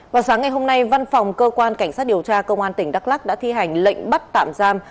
vào sáng ngày hôm nay văn phòng cơ quan cảnh sát điều tra công an tỉnh đắk lắc đã thi hành lệnh bắt tạm giam